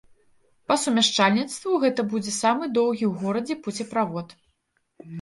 Па сумяшчальніцтву, гэта будзе самы доўгі ў горадзе пуцеправод.